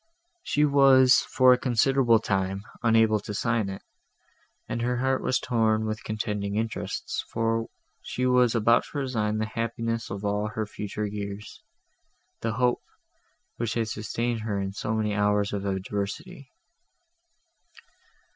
She was, for a considerable time, unable to sign it, and her heart was torn with contending interests, for she was about to resign the happiness of all her future years—the hope, which had sustained her in so many hours of adversity.